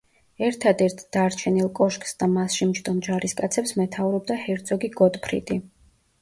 ერთადერთ დარჩენილ კოშკს და მასში მჯდომ ჯარისკაცებს მეთაურობდა ჰერცოგი გოტფრიდი.